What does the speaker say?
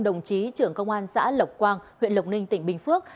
đồng chí trưởng công an xã lộc quang huyện lộc ninh tỉnh bình phước